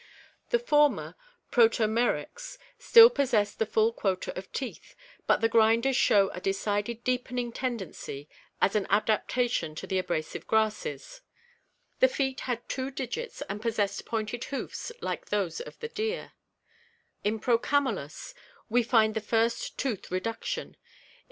The former, Prototneryx, still possessed the full quota of teeth, but the grinders show a decided deepening tendency as an adaptation to the abrasive grasses. The feet had two digits and possessed pointed hoofs like those of the deer. ■ |i/ In Procamdus (Fig. * V . 231) we find the first , ^L ■ tooth reduction, in '._...